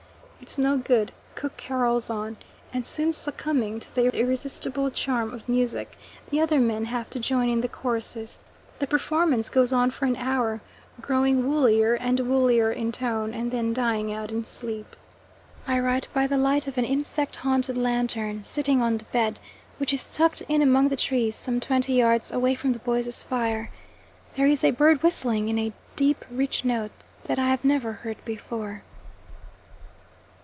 It's no good cook carols on, and soon succumbing to the irresistible charm of music, the other men have to join in the choruses. The performance goes on for an hour, growing woollier and woollier in tone, and then dying out in sleep. I write by the light of an insect haunted lantern, sitting on the bed, which is tucked in among the trees some twenty yards away from the boys' fire. There is a bird whistling in a deep rich note that I have never heard before.